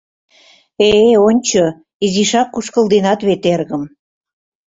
Э-э, ончо, изишак кушкылденат вет, эргым!